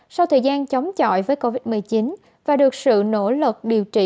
sau thời gian chống chọi với covid một mươi chín và được sự nỗ lực điều trị